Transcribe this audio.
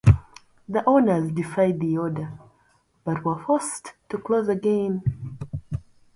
The owners defied the order, but were forced to close again.